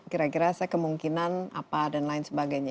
kira kira saya kemungkinan apa dan lain sebagainya